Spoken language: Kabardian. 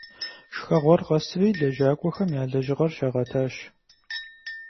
Шхэгъуэр къэсри лэжьакӀуэхэм я лэжьыгъэр щагъэтащ.